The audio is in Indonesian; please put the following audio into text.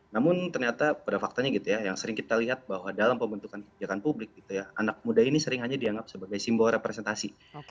namun ternyata pada faktanya gitu ya yang sering kita lihat bahwa dalam pembentukan kebijakan publik anak muda ini sering hanya dianggap sebagai simbol representasi